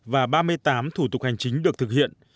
và ba mươi tám thủ tục hành chính được thực hiện